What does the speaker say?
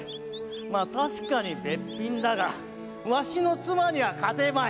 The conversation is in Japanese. まあ確かにべっぴんだがわしの妻には勝てまい。